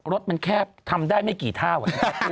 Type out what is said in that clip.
รถมันแคบทำได้ไม่กี่เท่า